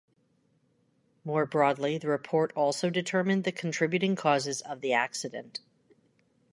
More broadly, the report also determined the contributing causes of the accident.